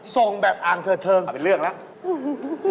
ส่งแบบอ่างเธอเทิงเป็นเรื่องแล้ว